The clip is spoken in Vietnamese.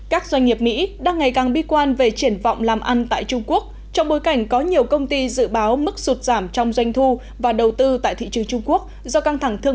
các doanh nghiệp mỹ đang ngày càng bi quan về triển vọng làm ăn tại trung quốc trong bối cảnh có nhiều công ty dự báo mức sụt giảm trong doanh thu và đầu tư tại thị trường trung quốc